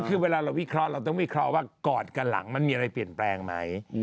คือเวลาเราวิเคราะห์เราต้องวิเคราะห์ว่ากอดกันหลังมันมีอะไรเปลี่ยนแปลงไหม